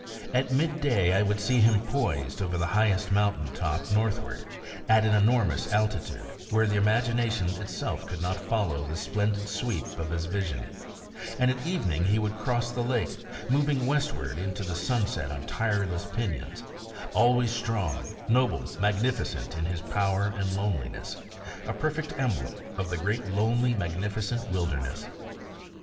At midday I would see him poised over the highest mountain top northward, at an enormous altitude, where the imagination itself could not follow the splendid sweep of his vision; and at evening he would cross the lake, moving westward into the sunset on tireless pinions always strong, noble, magnificent in his power and loneliness, a perfect emblem of the great lonely magnificent wilderness.